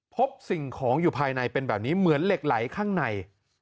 พบสิ่งของอยู่ภายในเป็นแบบนี้เหมือนเหล็กไหลข้างใน